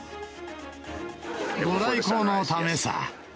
ご来光のためさ。